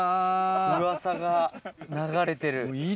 うわさが流れてる。